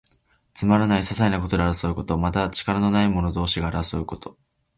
つまらない、ささいなことで争うこと。また、力のない者同士が争うこと。